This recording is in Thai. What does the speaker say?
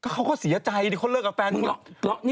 เขาก็เสียใจที่เขาเลิกกับแฟนคุณ